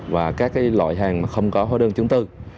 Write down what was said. và các loại hàng mà không có hóa đơn chứng tư